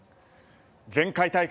前回大会